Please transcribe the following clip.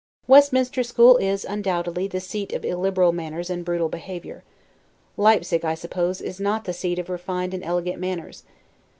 Westminster school is, undoubtedly, the seat of illiberal manners and brutal behavior. Leipsig, I suppose, is not the seat of refined and elegant manners.